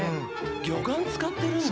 魚眼使ってるんだ！